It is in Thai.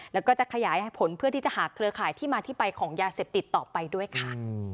แล้วก็จะขยายผลเพื่อที่จะหาเครือข่ายที่มาที่ไปของยาเสพติดต่อไปด้วยค่ะ